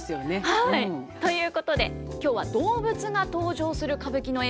はいということで今日は動物が登場する歌舞伎の演目を教えていただきます。